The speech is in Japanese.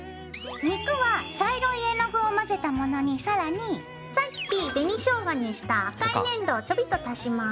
肉は茶色い絵の具を混ぜたものに更にさっき紅ショウガにした赤い粘土をちょびっと足します。